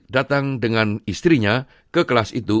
datang dengan istrinya ke kelas itu